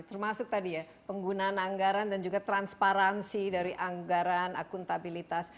termasuk tadi ya penggunaan anggaran dan juga transparansi dari anggaran akuntabilitas